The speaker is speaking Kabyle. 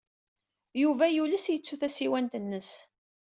Yuba yules yettu tasiwant-nnes.